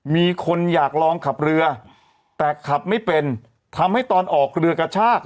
มีคนอยากลองขับเรือแต่ขับไม่เป็นทำให้ตอนออกเรือกระชาก